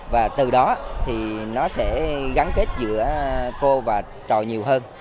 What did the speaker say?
và từ đó thì nó sẽ gắn kết giữa cô và trò nhiều hơn